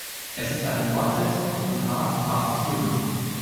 Es ist die Fortsetzung von „Half Past Human“.